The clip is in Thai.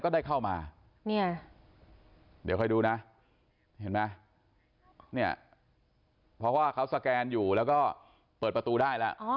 ได้เข้ามาเดี๋ยวค่อยดูนะเพราะว่าเขาสแกนอยู่แล้วก็เปิดประตูได้แล้ว